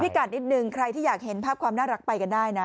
กัดนิดนึงใครที่อยากเห็นภาพความน่ารักไปกันได้นะ